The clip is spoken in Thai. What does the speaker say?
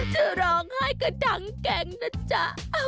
จะร้องไห้ก็ดังแกงนะจ๊ะ